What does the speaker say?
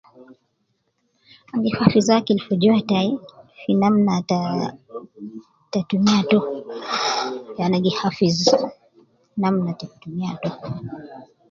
An gi hafiz akil fi jua tai fi namna ta ,ta tumiya to, ya ana gi hafiz, namna ta tumiya to